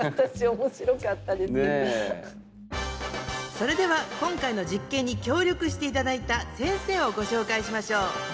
それでは今回の実験に協力して頂いた先生をご紹介しましょう。